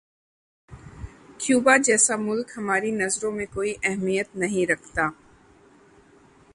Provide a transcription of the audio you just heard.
Cuba جیسا ملک ہماری نظروں میں کوئی اہمیت نہیں رکھتا۔